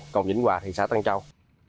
còn vĩnh hòa xã tăng châu